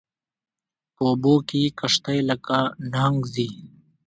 په اوبو کې یې کشتۍ لکه نهنګ ځي